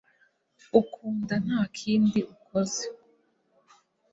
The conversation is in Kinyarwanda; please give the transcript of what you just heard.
ukunda ntakindi akoze